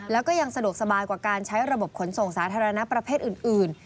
แล้วก็ยังสะดวกสบายกว่าการใช้ระบบขนส่งสาธารณะประเภทอื่น